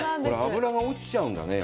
脂が落ちちゃうんだね。